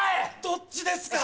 どっちですか？